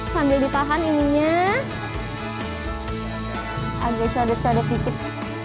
sambil ditahan ininya aja cobek cobbek